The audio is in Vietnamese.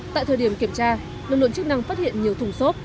tại thời điểm kiểm tra nguồn nguồn chức năng phát hiện nhiều thùng xốp